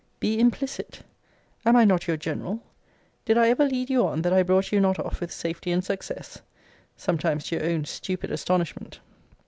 Be implicit. Am I not your general? Did I ever lead you on that I brought you not off with safety and success? Sometimes to your own stupid astonishment.